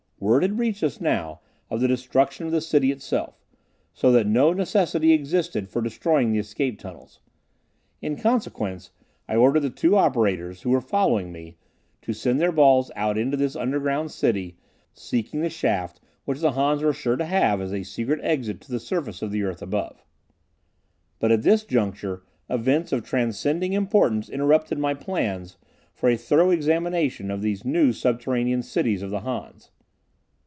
Word had reached us now of the destruction of the city itself, so that no necessity existed for destroying the escape tunnels. In consequence, I ordered the two operators, who were following me, to send their balls out into this underground city, seeking the shaft which the Hans were sure to have as a secret exit to the surface of the earth above. But at this juncture events of transcending importance interrupted my plans for a thorough exploration of these new subterranean cities of the Hans.